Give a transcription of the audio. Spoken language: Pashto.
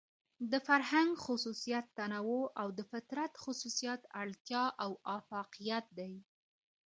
د فرهنګ خصوصيت تنوع او د فطرت خصوصيت اړتيا او اۤفاقيت دى.